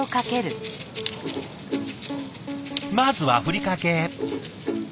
まずはふりかけ。